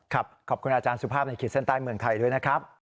ขอบคุณอาจารย์สุภาพในขีดเส้นใต้เมืองไทยด้วยนะครับ